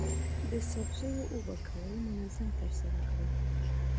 د سبزیو اوبه کول منظم ترسره کړئ.